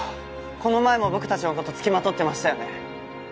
この前も僕たちの事付きまとってましたよね？